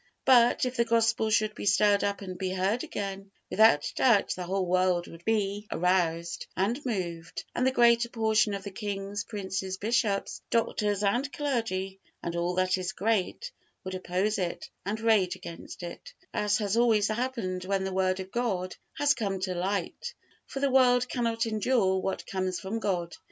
But if the Gospel should be stirred up and be heard again, without doubt the whole world would be aroused and moved, and the greater portion of the kings, princes, bishops, doctors and clergy, and all that is great, would oppose it and rage against it, as has always happened when the Word of God has come to light; for the world cannot endure what comes from God.